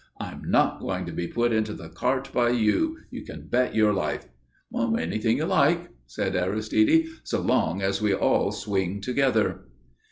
I'm not going to be put into the cart by you, you can bet your life." "Anything you like," said Aristide, "so long as we all swing together."